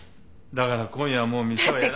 だから今夜はもう店はやらない。